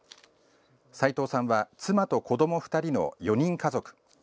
齊藤さんは妻と子ども２人の４人家族。